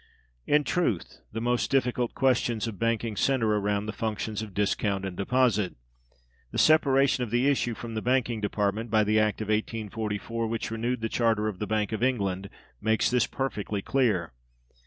In truth, the most difficult questions of banking center around the functions of discount and deposit. The separation of the Issue from the Banking Department by the act of 1844, which renewed the charter of the Bank of England, makes this perfectly clear.